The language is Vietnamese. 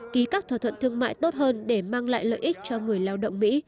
ký các thỏa thuận thương mại tốt hơn để mang lại lợi ích cho người lao động mỹ